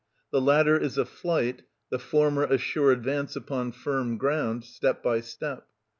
The latter is a flight, the former a sure advance upon firm ground, step by step.